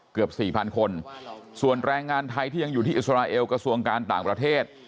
เกือบสี่พันคนส่วนแรงงานไทยที่ยังอยู่ที่อิสราเอลกระทรวงการต่างประเทศ